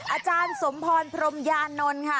อาจารย์สมพรพรมยานนท์ค่ะ